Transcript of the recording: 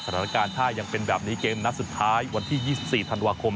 สถานการณ์ถ้ายังเป็นแบบนี้เกมนัดสุดท้ายวันที่๒๔ธันวาคม